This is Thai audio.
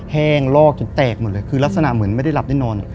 แห้งลอกจนแตกหมดเลยคือลักษณะเหมือนไม่ได้หลับได้นอน